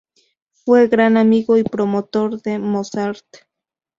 Fue gran amigo y promotor de Mozart.